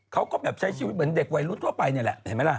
เขาก็แบบใช้ชีวิตเหมือนเด็กวัยรุ่นทั่วไปนี่แหละเห็นไหมล่ะ